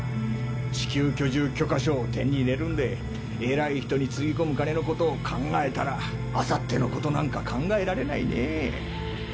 地球居住許可書を手に入れるんで偉い人につぎ込む金のことを考えたらあさってのことなんか考えられないねぇ。